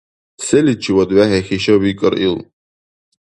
— Селичивад вехӀихьиша? — викӀар ил.